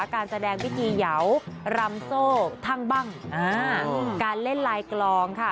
การแสดงพิธีเหยาวรำโซ่ทั่งบ้างการเล่นลายกลองค่ะ